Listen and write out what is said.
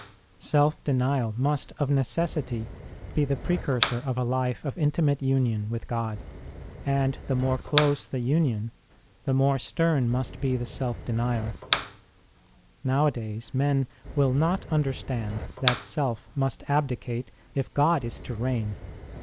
Self denial must of necessity be the precursor of a life of intimate union with God, and the more close the union, the more stern must be the self denial. Nowadays men will not understand that self must abdicate, if God is to reign.